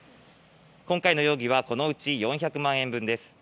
今回の容疑はこのうち４００万円分です。